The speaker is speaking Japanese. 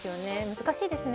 難しいですね。